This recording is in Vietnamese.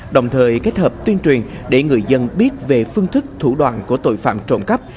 đồng thời kết hợp tuyên truyền để người dân biết về phương thức thủ đoạn của tội phạm trộm cắp